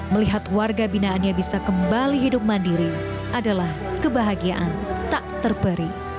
melihat warga binaannya bisa kembali hidup mandiri adalah kebahagiaan tak terperi